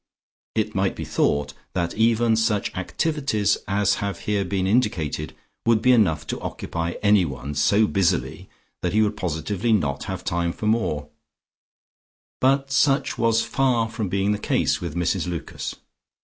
It might be thought that even such activities as have here been indicated would be enough to occupy anyone so busily that he would positively not have time for more, but such was far from being the case with Mrs Lucas.